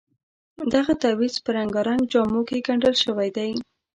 دغه تعویض په رنګارنګ جامو کې ګنډل شوی دی.